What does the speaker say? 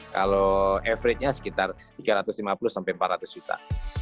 kalau average nya sekitar tiga ratus lima puluh sampai empat ratus juta